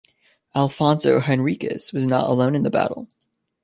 Afonso Henriques was not alone in the battle.